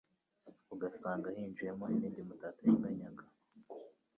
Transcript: ugasanga hinjiyemo ibindi mutateganyaga